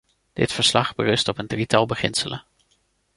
Dit verslag berust op een drietal beginselen.